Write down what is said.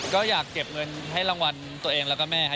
ก็อยากเก็บเงินให้รางวัลตัวเองแล้วก็แม่ครับ